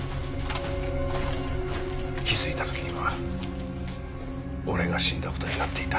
気づいた時には俺が死んだ事になっていた。